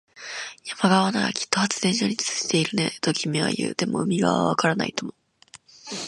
山側ならきっと発電所に通じているね、と君は言う。でも、海側はわからないとも。